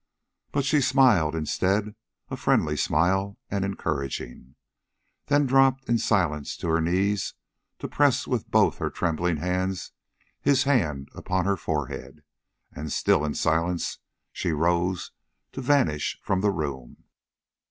But she smiled, instead a friendly smile, and encouraging. Then dropped in silence to her knees to press with both her trembling hands his hand upon her forehead. And, still in silence, she rose to vanish from the room.